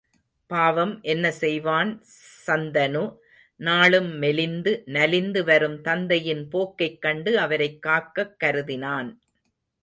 பாவம் என்ன செய்வான் சந்தனு நாளும் மெலிந்து நலிந்து வரும் தந்தையின் போக்கைக் கண்டு அவரைக் காக்கக் கருதினான்.